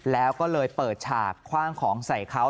แล้วก็เลยเปิดฉากคว่างของใส่เขา